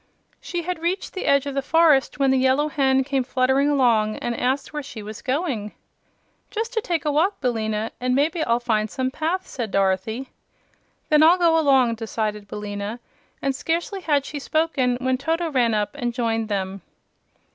She had reached the edge of the forest when the Yellow Hen came fluttering along and asked where she was going. "Just to take a walk, Billina; and maybe I'll find some path," said Dorothy. "Then I'll go along," decided Billina, and scarcely had she spoken when Toto ran up and joined them.